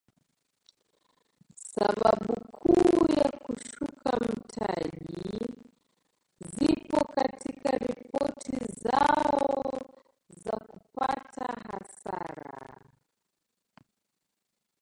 Sababu kuu ya kushuka mtaji zipo katika ripoti zao za kupata hasara